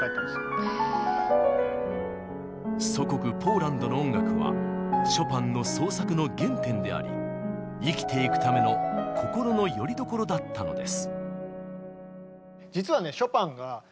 祖国ポーランドの音楽はショパンの創作の原点であり生きていくための心のよりどころだったのです。